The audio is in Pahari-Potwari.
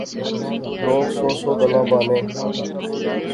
لوک سو سو گلاں بانے